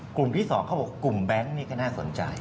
กลุ่มที่๒เขาบอกกลุ่มแบงค์นี่ก็น่าสนใจ